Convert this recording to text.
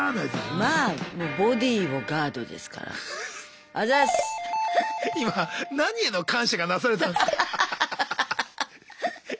まあもうボディーをガードですから今何への感謝がなされたんすか？